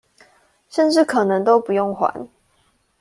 甚至可能都不用還